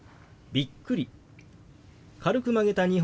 「びっくり」。